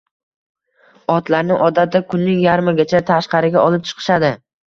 Otlarni odatda kunning yarmigacha tashqariga olib chiqishadi